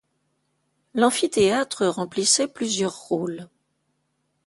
L'amphithéâtre remplissait plusieurs rôles.